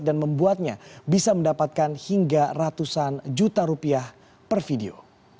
dan membuatnya bisa mendapatkan hingga ratusan juta rupiah per video